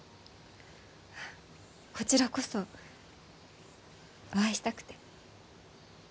あこちらこそお会いしたくて。